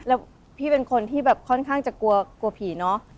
แล้วพี่เป็นคนที่แบบค่อนข้างจะกลัวผีเนอะ